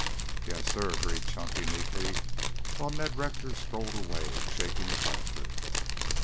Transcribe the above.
"Yes, sir," agreed Chunky meekly, while Ned Rector strolled away, shaking with laughter.